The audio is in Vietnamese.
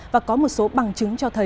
và có một số bằng chứng cho thấy